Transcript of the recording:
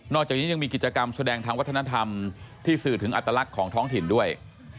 อกจากนี้ยังมีกิจกรรมแสดงทางวัฒนธรรมที่สื่อถึงอัตลักษณ์ของท้องถิ่นด้วย